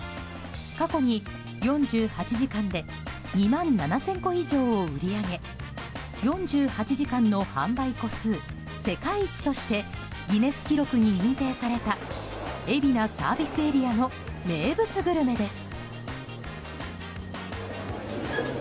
過去に４８時間で２万７０００個以上を売り上げ４８時間の販売個数世界一としてギネス記録に認定された海老名ＳＡの名物グルメです。